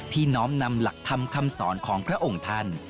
น้อมนำหลักธรรมคำสอนของพระองค์ท่าน